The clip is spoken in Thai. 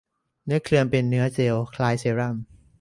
เนื้อครีมเป็นเนื้อเจลคล้ายเซรั่ม